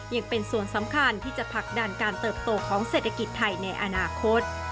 ยังเป็นส่วนสำคัญที่จะผลักดันการเติบโตของเศรษฐกิจไทยในอนาคต